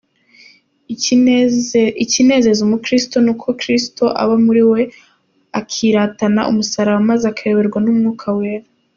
ikinezeza umuchristo ni uko christo aba muriwe akiratana umusaraba maze akayoborwa numwuka wera.